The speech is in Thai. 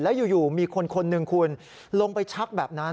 แล้วอยู่มีคนคนหนึ่งคุณลงไปชักแบบนั้น